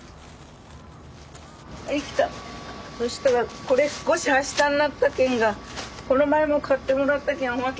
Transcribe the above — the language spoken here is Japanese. そしたらこれ少しは下になったけんがこの前も買ってもらったけんおまけしとくね。